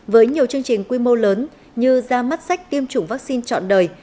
với nhiều chương trình quy mô lớn như ra mắt sách tiêm chủng vắc xin trọn đời